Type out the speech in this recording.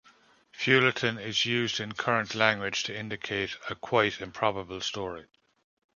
Feuilleton is used in current language to indicate a quite improbable story.